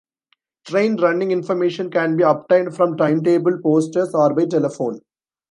Train running information can be obtained from timetable posters or by telephone.